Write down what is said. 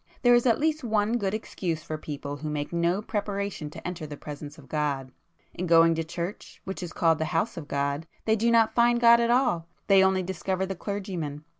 There is at least one good excuse for people who make no preparation to enter the presence of God,—in going to church, which is called the 'house of God,' they do not find God at all; they only discover the clergyman.